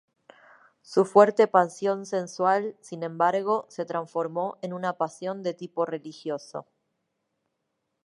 Su fuerte pasión sensual, sin embargo, se transformó en una pasión de tipo religioso.